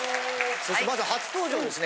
そしてまずは初登場はですね